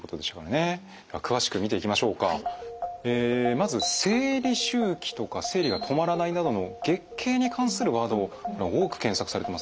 まず「生理周期」とか「生理が止まらない」などの月経に関するワードも多く検索されてますね。